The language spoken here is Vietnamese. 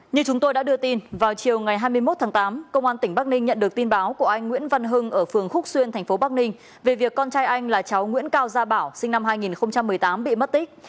như chúng tôi đã đưa tin vào chiều ngày hai mươi một tháng tám công an tỉnh bắc ninh nhận được tin báo của anh nguyễn văn hưng ở phường khúc xuyên thành phố bắc ninh về việc con trai anh là cháu nguyễn cao gia bảo sinh năm hai nghìn một mươi tám bị mất tích